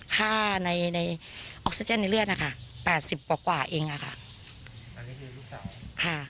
ฆ่าในออกซิเจนในเลือด๘๐กว่าเองค่ะ